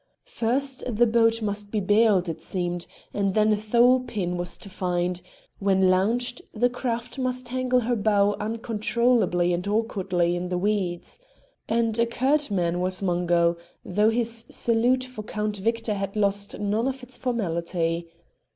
First the boat must be baled, it seemed, and then a thole pin was to find; when launched the craft must tangle her bow unaccountably and awkwardly in the weeds. And a curt man was Mungo, though his salute for Count Victor had lost none of its formality.